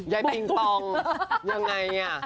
ยายปิงปองยังไง